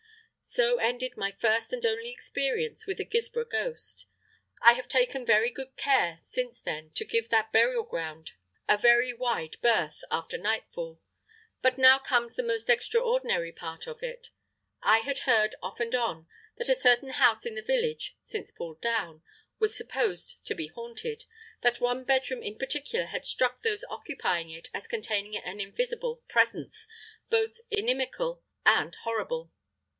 So ended my first and only experience with a Guilsborough ghost. I have taken very good care since then to give that burial ground a very wide berth after nightfall. But now comes the most extraordinary part of it. I had heard off and on that a certain house in the village (since pulled down) was supposed to be haunted; that one bedroom in particular had struck those occupying it as containing an invisible "presence" both inimical and horrible.